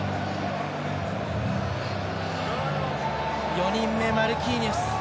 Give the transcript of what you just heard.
４人目、マルキーニョス。